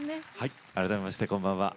改めましてこんばんは。